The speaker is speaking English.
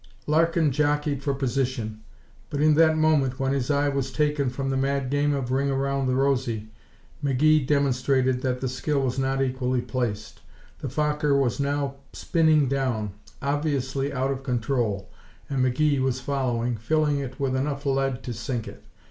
Larkin jockeyed for position, but in that moment when his eye was taken from the mad game of ring around the rosy, McGee demonstrated that the skill was not equally placed. The Fokker was now spinning down, obviously out of control, and McGee was following, filling it with enough lead to sink it.